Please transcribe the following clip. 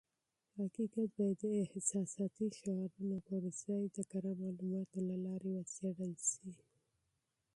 حقیقت بايد د احساساتي شعارونو پر ځای د کره معلوماتو له لارې وڅېړل شي.